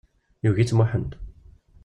Yugi-tt Muḥend.